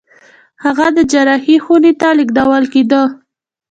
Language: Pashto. هغه د جراحي خونې ته لېږدول کېده.